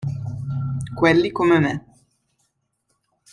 Quelli come me